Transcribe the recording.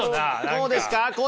こうですか？